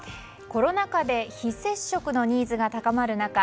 コロナ禍で非接触のニーズが高まる中